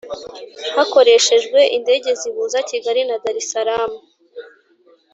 hakoreshejwe indege zihuza Kigali na Dar es Salam